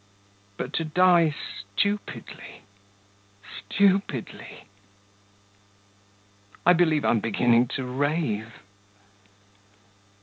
But to die stupidly, stupidly.... I believe I'm beginning to rave.